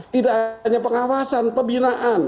tidak hanya pengawasan pembinaan